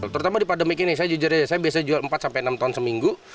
terutama di pandemik ini saya jujur aja saya biasanya jual empat sampai enam ton seminggu